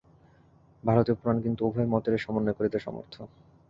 ভারতীয় পুরাণ কিন্তু উভয় মতেরই সমন্বয় করিতে সমর্থ।